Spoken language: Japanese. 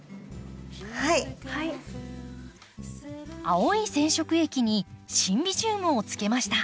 青い染色液にシンビジウムをつけました。